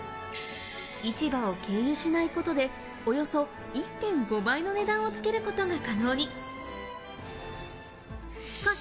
市場を経由しないことでおよそ１．５倍の値段をつけることが可能に。